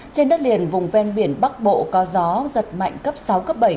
trên đất liền vùng ven biển bắc bộ có gió giật mạnh cấp sáu cấp bảy